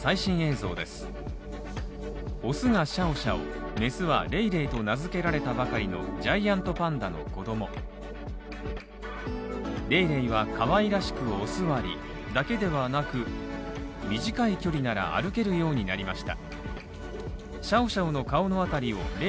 ジャイアントパンダの子供、レイレイはかわいらしくお座りだけではなく、短い距離なら歩けるようになりました。